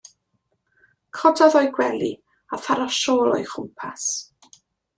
Cododd o'i gwely a tharo siôl o'i chmwpas.